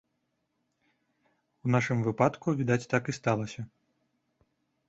У нашым выпадку, відаць, так і сталася.